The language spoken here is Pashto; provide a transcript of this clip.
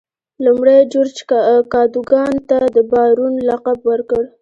لومړي جورج کادوګان ته د بارون لقب ورکړ.